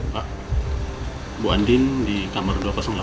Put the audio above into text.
pak bu andin di kamar dua ratus delapan